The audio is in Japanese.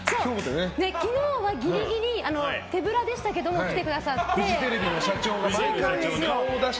昨日はギリギリ手ぶらでしたけど来てくださって。